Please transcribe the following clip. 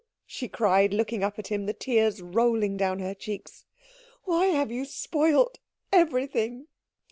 she cried, looking up at him, the tears rolling down her cheeks. "Why have you spoilt everything?